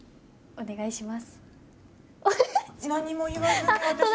お願いします。